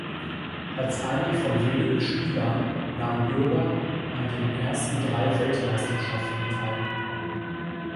Als einer von wenigen Spielern nahm Bürger an den ersten drei Weltmeisterschaften teil.